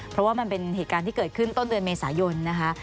เพราะว่ามันเป็นเหตุการณ์ที่เกิดขึ้นต้นเดือนเมษายนนะคะ